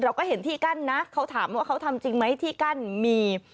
เราก็เห็นที่กั้นนะเขาถามว่าเขาทำจริงไหมที่กั้นมี